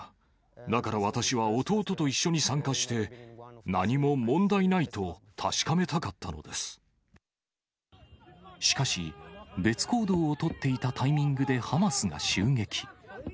だから私は弟と一緒に参加して、何も問題ないと確かめたかったのしかし、別行動をとっていたタイミングでハマスが襲撃。